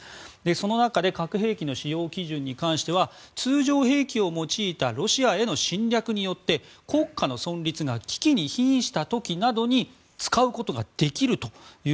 その中で核兵器の使用基準に関しては通常兵器を用いたロシアへの侵略によって国家の存立が危機に瀕した時などに使うことができると。